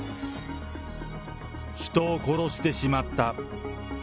人を殺してしまった。